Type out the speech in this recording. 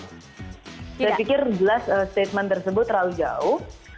saya pikir jelas statement tersebut terlalu jauh